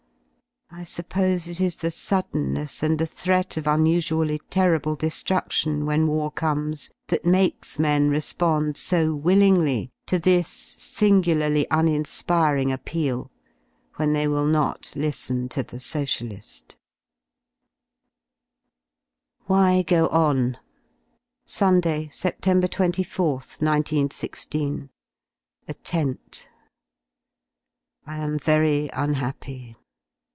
I suppose it is the suddenness and the threat of unusually errible de^ruftion, when war comes, that makes men respond so willingly to this singularly uninspiring appeal ^ when they will not li^en to the Sociali^. "WHY GO ON?" iS^w^^ary, Sept. 24th, 1916. A Tent. c^ r I am very unhappy.